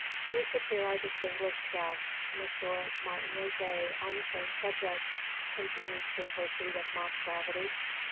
"You should hear our distinguished guest M. Martin Roget on the same subject," continued Sir Percy with mock gravity.